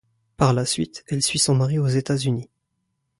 Par la suite, elle suit son mari aux États-Unis.